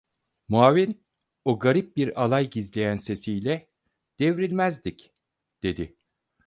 Muavin, o garip bir alay gizleyen sesiyle: "Devrilmezdik…" dedi.